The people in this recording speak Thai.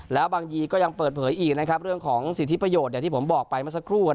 แล้วก็ยังเปิดเผยเรื่องสิทธิประโยชน์ที่ผมบอกไปมาสักครู่